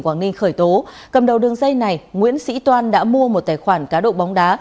quảng ninh khởi tố cầm đầu đường dây này nguyễn sĩ toan đã mua một tài khoản cá độ bóng đá